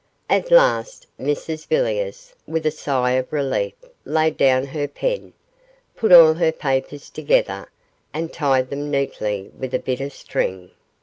At last Mrs Villiers, with a sigh of relief, laid down her pen, put all her papers together, and tied them neatly with a bit of string.